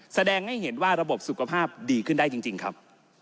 แสดงให้เห็นว่าระบบสุขภาพดีขึ้นได้จริงครับ